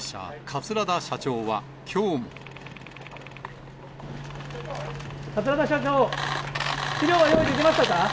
桂田社長、資料は用意できましたか。